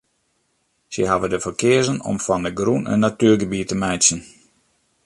Sy hawwe der foar keazen om fan de grûn in natuergebiet te meitsjen.